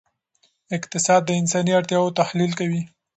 اقتصاد د انساني اړتیاوو تحلیل کوي.